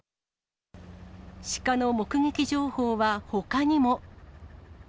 シカの目撃情報はほかにも。